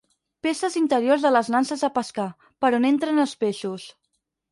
Peces interiors de les nanses de pescar, per on entren els peixos.